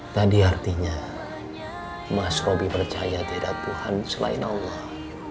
tadi artinya mas roby percaya tidak tuhan selain allah